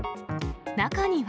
中には。